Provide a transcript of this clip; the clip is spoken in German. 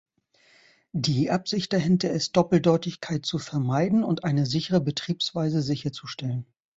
Die Absicht dahinter ist, Doppeldeutigkeit zu vermeiden und eine sichere Betriebsweise sicherzustellen.